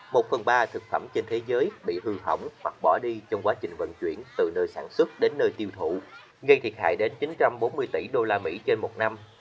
một phần ba thực phẩm trên thế giới bị hư hỏng hoặc bỏ đi trong quá trình vận chuyển từ nơi sản xuất đến nơi tiêu thụ gây thiệt hại đến chín trăm bốn mươi tỷ usd trên một năm